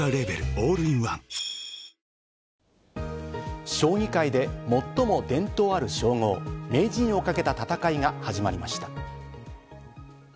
オールインワン将棋界で最も伝統ある称号、名人をかけた戦いが始まりました。